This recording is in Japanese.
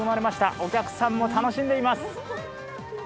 お客さんも楽しんでいます。